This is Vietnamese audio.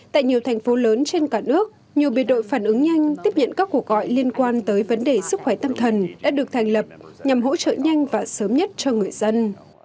tại nhiều thành phố lớn trên cả nước nhiều biệt đội phản ứng nhanh tiếp nhận các cuộc gọi liên quan tới vấn đề sức khỏe tâm thần đã được thành lập nhằm hỗ trợ nhanh và sớm nhất cho người dân